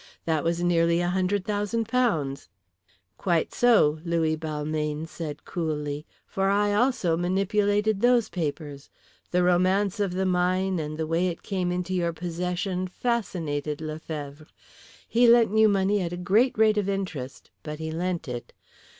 That was nearly a hundred thousand pounds." "Quite so," Louis Balmayne said coolly, "for I also manipulated those papers. The romance of the mine and the way it came into your possession fascinated Lefevre. He lent you money at a great rate of interest, but he lent it.